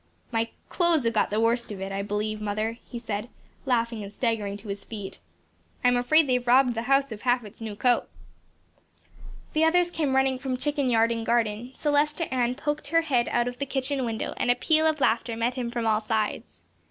"My clothes have got the worst of it, I believe, mother," he said, laughing and staggering to his feet. "I'm afraid they've robbed the house of half its new coat." The others came running from chicken yard and garden; Celestia Ann poked her head out of the kitchen window, and a peal of laughter met him from all sides.